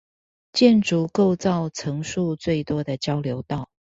建築構造層數最多的交流道